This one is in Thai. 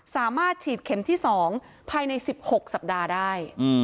สามารถฉีดเข็มที่๒ภายใน๑๖สัปดาห์ได้